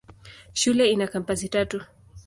Shule ina kampasi tatu.